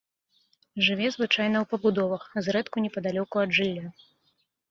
Жыве звычайна ў пабудовах, зрэдку непадалёку ад жылля.